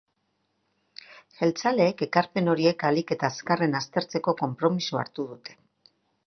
Jeltzaleek ekarpen horiek ahalik eta azkarren aztertzeko konpromisoa hartu dute.